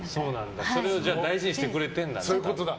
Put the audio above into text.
それを大事にしてくれてるんだ。